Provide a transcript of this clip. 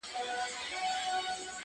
• نیم پر تخت د شاه جهان نیم قلندر دی,